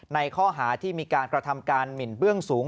ในข้อหาที่มีการกระทำการหมินเบื้องสูง